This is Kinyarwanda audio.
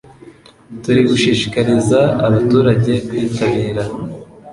turi gushishikariza abaturage kwitabira